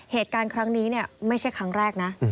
เหตุการณ์ครั้งนี้ไม่ใช่ครั้งแรกนะ